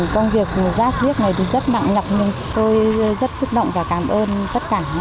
công việc rác rước này cũng rất nặng nặng nhưng tôi rất xúc động và cảm ơn tất cả